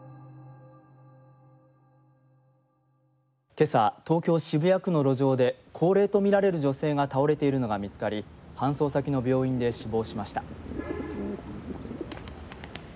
「今朝東京・渋谷区の路上で高齢と見られる女性が倒れているのが見つかり搬送先の病院で死亡しました」。